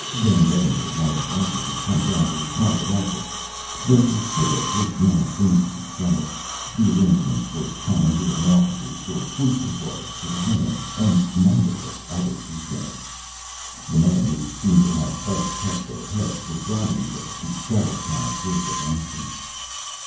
Van Deventer wanted Arthur to come down to his private office. There were still a great many things to be settled the arrangements for commandeering offices for sleeping quarters for the women, and numberless other details. The men who seemed to have best kept their heads were gathering there to settle upon a course of action.